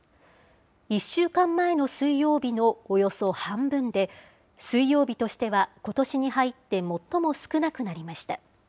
１週間前の水曜日のおよそ半分で、水曜日としてはことしに入って最も少なくなりました。